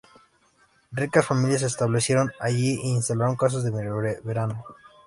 Ricas familias se establecieron allí, e instalaron casas de veraneo.